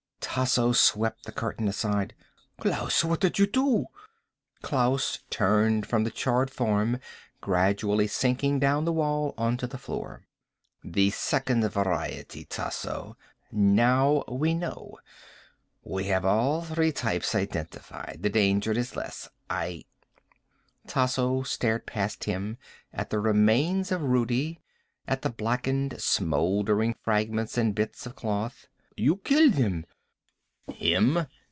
Tasso swept the curtain aside. "Klaus! What did you do?" Klaus turned from the charred form, gradually sinking down the wall onto the floor. "The Second Variety, Tasso. Now we know. We have all three types identified. The danger is less. I " Tasso stared past him at the remains of Rudi, at the blackened, smouldering fragments and bits of cloth. "You killed him." "Him?